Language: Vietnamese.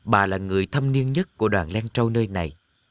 bà là người thâm niên nhất của đoàn lan trâu nơi này